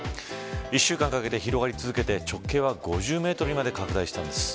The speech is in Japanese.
１週間かけて広がり続けて直径は５０メートルにまで拡大したんです。